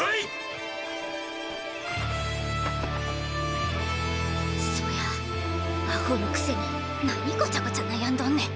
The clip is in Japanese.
心の声そやあほのくせになにごちゃごちゃ悩んどんねん。